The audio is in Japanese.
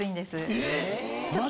えっ！？